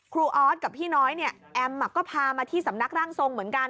ออสกับพี่น้อยเนี่ยแอมก็พามาที่สำนักร่างทรงเหมือนกัน